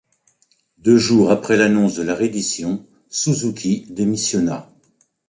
Deux jours après l'annonce de la reddition, Suzuki démissionna.